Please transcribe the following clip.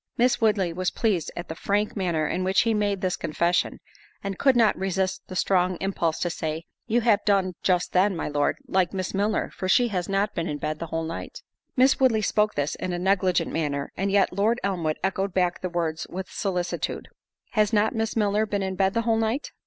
Miss Woodley was pleased at the frank manner in which he made this confession, and could not resist the strong impulse to say, "You have done just then, my Lord, like Miss Milner, for she has not been in bed the whole night." Miss Woodley spoke this in a negligent manner, and yet, Lord Elmwood echoed back the words with solicitude, "Has not Miss Milner been in bed the whole night?"